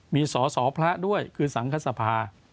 มีสอสอพระด้วยคือสังคสภา